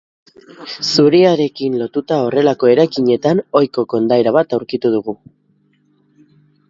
Zubiarekin lotuta horrelako eraikinetan ohiko kondaira bat aurkitu dugu.